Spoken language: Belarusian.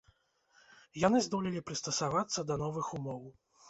Яны здолелі прыстасавацца да новых умоў.